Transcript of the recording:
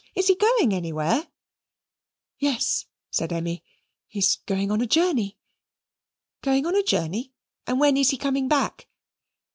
Is he going anywhere?" "Yes," said Emmy, "he is going on a journey." "Going on a journey; and when is he coming back?"